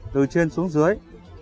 từ trên xuống dưới